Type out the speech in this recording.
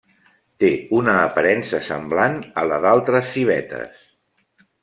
Té una aparença semblant a la d'altres civetes.